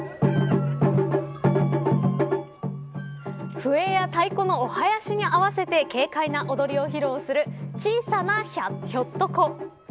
笛や太鼓のおはやしに合わせて軽快な踊りを披露する小さなひょっとこ。